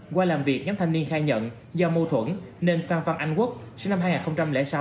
qua làm việc nhóm thanh niên khai nhận do mâu thuẫn nên phan phan anh quốc sinh năm hai nghìn sáu